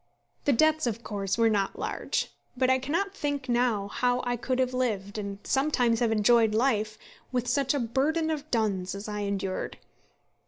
The debts, of course, were not large, but I cannot think now how I could have lived, and sometimes have enjoyed life, with such a burden of duns as I endured.